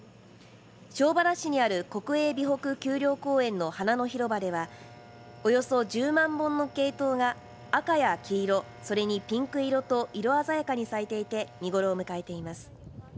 庄原市にある国営備北丘陵公園の花の広場ではおよそ１０万本のケイトウが赤や黄色、それにピンク色と色鮮やかに咲いていて見頃を迎えています。